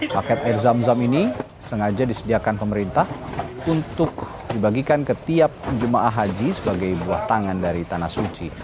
paket air zam zam ini sengaja disediakan pemerintah untuk dibagikan ke tiap jemaah haji sebagai buah tangan dari tanah suci